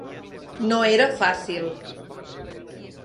No era fàcil.